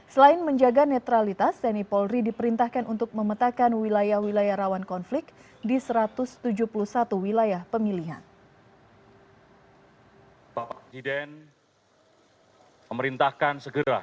selain menjaga netralitas tni polri diperintahkan untuk memetakan wilayah wilayah rawan konflik di satu ratus tujuh puluh satu wilayah pemilihan